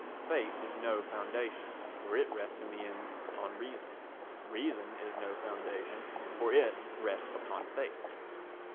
Faith is no foundation, for it rests in the end on reason. Reason is no foundation, for it rests upon faith.